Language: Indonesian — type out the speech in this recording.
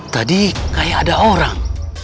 tadi kayak ada orang